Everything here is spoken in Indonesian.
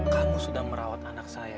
kamu sudah merawat anak saya